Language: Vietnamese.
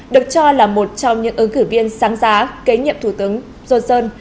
được cho là một trong những ứng cử viên sáng giá kế nhiệm thủ tướng johnson